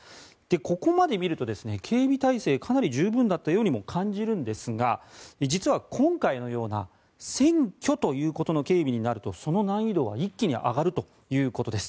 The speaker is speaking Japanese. ここまで見ると、警備体制かなり十分だったようにも感じるんですが実は今回のような選挙ということの警備になるとその難易度は一気に上がるということです。